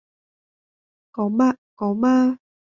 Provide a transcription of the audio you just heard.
Có mạ, có ma